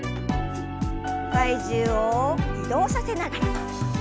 体重を移動させながら。